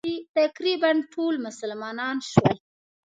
تقریباً ټول مسلمانان شول.